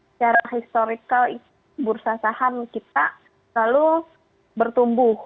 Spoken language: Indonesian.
secara historikal bursa saham kita selalu bertumbuh